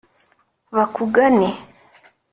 bakugane